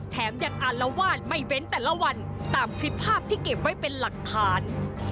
แถมยังอารวาสไม่เว้นแต่ละวันตามคลิปภาพที่เก็บไว้เป็นหลักฐาน